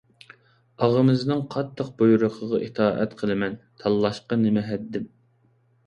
ئاغىمىزنىڭ قاتتىق بۇيرۇقىغا ئىتائەت قىلىمەن. تاللاشقا نېمە ھەددىم؟